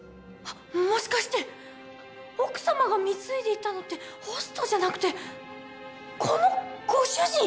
もしかして奥様が貢いでいたのってホストじゃなくてこのご主人？